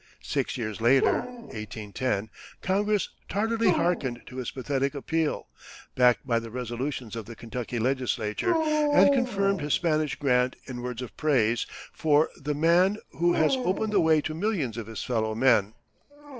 Six years later (1810) Congress tardily hearkened to his pathetic appeal, backed by the resolutions of the Kentucky legislature, and confirmed his Spanish grant in words of praise for "the man who has opened the way to millions of his fellow men."